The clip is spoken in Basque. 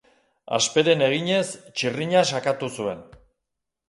Hasperen eginez, txirrina sakatu zuen.